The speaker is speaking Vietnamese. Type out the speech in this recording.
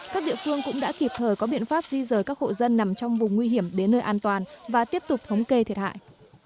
các địa phương cũng đã kịp thời có biện pháp di rời các hộ dân nằm trong vùng nguy hiểm đến nơi an toàn và tiếp tục thống kê thiệt hại